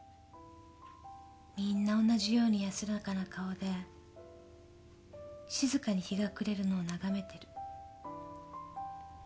みんな同じように安らかな顔で静かに日が暮れるのを眺めてる。